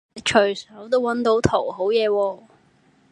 你隨手都搵到圖好嘢喎